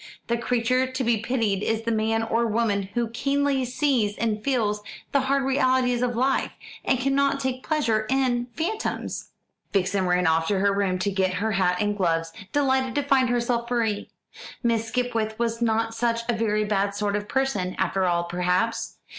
The creature to be pitied is the man or woman who keenly sees and feels the hard realities of life, and cannot take pleasure in phantoms. Vixen ran off to her room to get her hat and gloves, delighted to find herself free. Miss Skipwith was not such a very bad sort of person, after all, perhaps.